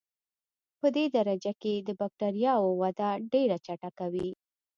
پدې درجه کې د بکټریاوو وده ډېره چټکه وي.